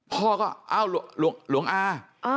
พ่อก็เอ้าหลวงอา